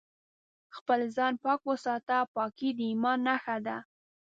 خپل ځان پاک وساته ، پاکي د ايمان نښه ده